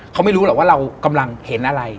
เขาไม่รู้หรอกว่าเรากำลังเห็นอะไร